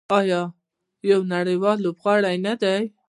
آیا یو نړیوال لوبغاړی نه دی؟